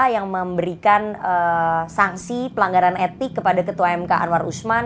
yang memberikan sanksi pelanggaran etik kepada ketua mk anwar usman